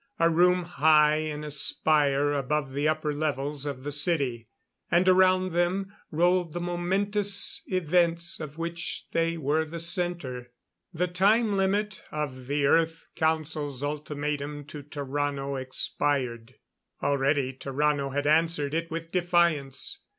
A room high in a spire above the upper levels of the city. And around them rolled the momentous events of which they were the center. The time limit of the Earth Council's ultimatum to Tarrano expired. Already Tarrano had answered it with defiance.